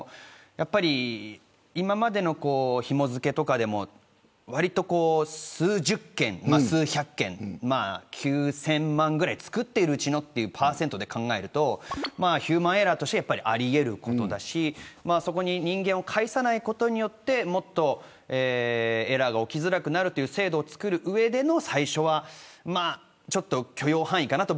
今までのひも付けとかでもわりと数十件、数百件９０００万ぐらい作っているうちの％で考えるとヒューマンエラーとしてはあり得ることだしそこに人間を介さないことでもっとエラーが起きづらくなるという制度を作る上での最初はちょっと許容範囲かなと。